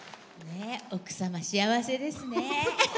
奥様、幸せですね。